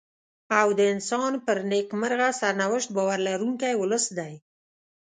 او د انسان پر نېکمرغه سرنوشت باور لرونکی ولس دی.